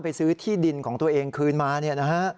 ไปซื้อที่ดินของตัวเองคืนมานะฮะ